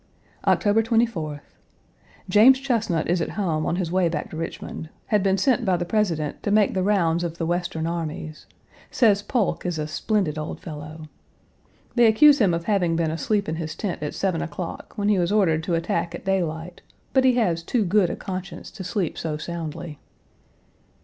October 24th. James Chesnut is at home on his way back to Richmond; had been sent by the President to make the rounds of the Western armies; says Polk is a splendid old fellow. They accuse him of having been asleep in his tent at seven o'clock when he was ordered to attack at daylight, but he has too good a conscience to sleep so soundly.